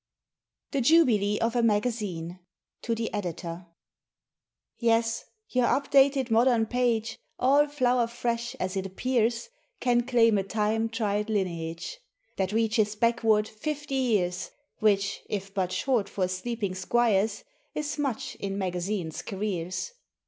THE JUBILEE OF A MAGAZINE (To the Editor) YES; your up dated modern page— All flower fresh, as it appears— Can claim a time tried lineage, That reaches backward fifty years (Which, if but short for sleepy squires, Is much in magazines' careers).